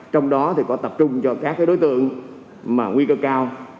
trong đó thì có tập trung cho các đối tượng mà nguy cơ cao